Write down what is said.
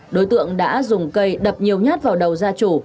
đối tượng đã dùng cây đập nhiều nhát vào đầu gia chủ